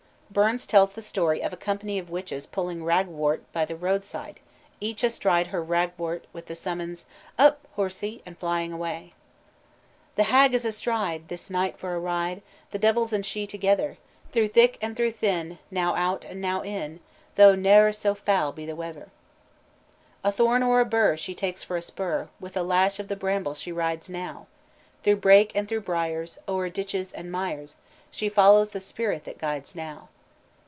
Burns tells the story of a company of witches pulling ragwort by the roadside, getting each astride her ragwort with the summons "Up horsie!" and flying away. "The hag is astride This night for a ride, The devils and she together: Through thick and through thin, Now out and now in, Though ne'er so foul be the weather. "A thorn or a burr She takes for a spur, With a lash of the bramble she rides now. Through brake and through briers, O'er ditches and mires, She follows the spirit that guides now."